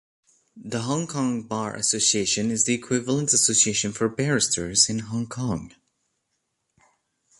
The Hong Kong Bar Association is the equivalent association for barristers in Hong Kong.